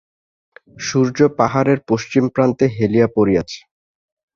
সূর্য পাহাড়ের পশ্চিমপ্রান্তে হেলিয়া পড়িয়াছে।